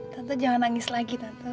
tante jangan nangis lagi tante